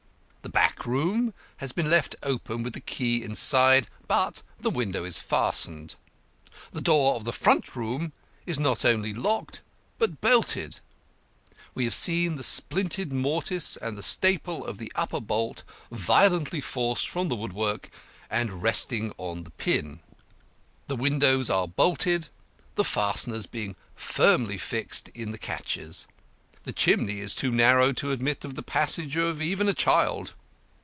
The back room has been left open, with the key inside, but the window is fastened. The door of the front room is not only locked but bolted. We have seen the splintered mortice and the staple of the upper bolt violently forced from the woodwork and resting on the pin. The windows are bolted, the fasteners being firmly fixed in the catches. The chimney is too narrow to admit of the passage of even a child.